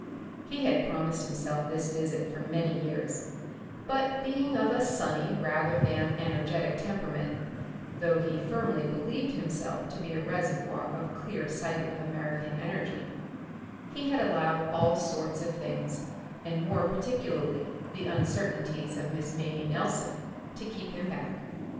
He had promised himself this visit for many years, but being of a sunny rather than energetic temperament though he firmly believed himself to be a reservoir of clear sighted American energy he had allowed all sorts of things, and more particularly the uncertainties of Miss Mamie Nelson, to keep him back.